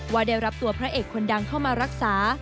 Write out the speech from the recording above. ว่าได้รับตัวพระเอกคนดังเข้ามารักษา